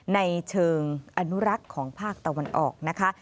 ในเชิงอนุรักษ์ของภาคตะวันออกนะคะ